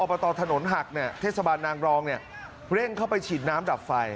อบตรถนนหักเนี่ยเทศบาลนางรองเนี่ยเร่งเข้าไปฉีดน้ำดับไฟ